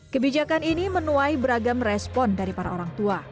kebijakan ini menuai beragam respon dari para orang tua